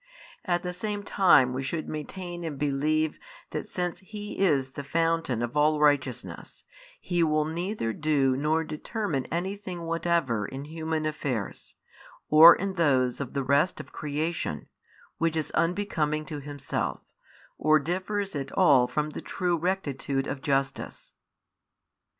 At the same time we should maintain and believe that since He is the fountain of all righteousness, He will neither do nor determine anything whatever in human affairs, or in those of the rest of creation, which is unbecoming to Himself, or differs at all from the true rectitude of justice.